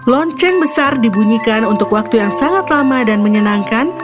lonceng besar dibunyikan untuk waktu yang sangat lama dan menyenangkan